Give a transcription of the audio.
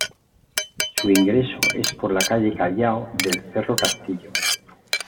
Su ingreso es por la Calle Callao del cerro Castillo.